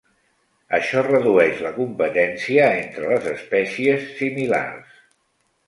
Això redueix la competència entre les espècies similars.